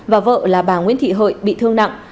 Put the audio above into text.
và vợ là bà nguyễn thị hợi bị thương nặng